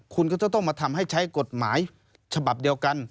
คุณก็จะต้องมาทำให้ใช้กฎหมายฉบับเดียวกัน